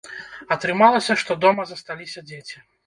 Атрымалася, што дома засталіся дзеці.